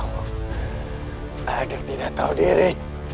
masa kau adik tidak tahu diri